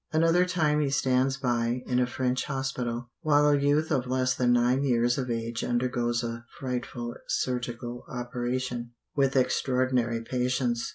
Another time he stands by, in a French hospital, while a youth of less than nine years of age undergoes a frightful surgical operation "with extraordinary patience."